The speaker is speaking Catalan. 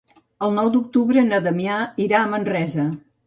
El nou d'octubre na Damià irà a Manresa.